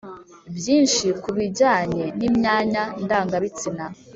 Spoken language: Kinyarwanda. byinshi ku bijyanye n’imyanya ndangabitsina.”